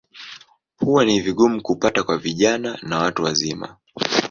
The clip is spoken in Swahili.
Huwa ni vigumu kupata kwa vijana na watu wazima.